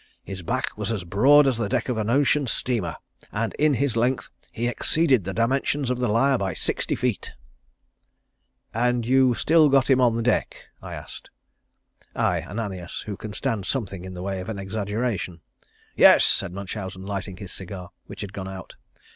His back was as broad as the deck of an ocean steamer and in his length he exceeded the dimensions of The Lyre by sixty feet." "And still you got him on deck?" I asked, I, Ananias, who can stand something in the way of an exaggeration. "Yes," said Munchausen, lighting his cigar, which had gone out.